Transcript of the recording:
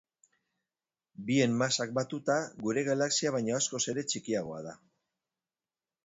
Bien masak batuta, gure galaxia baino askoz ere txikiagoa da.